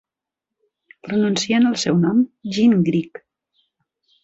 Pronuncien el seu nom "Gingrick".